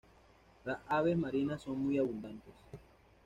Las aves marinas son muy abundantes.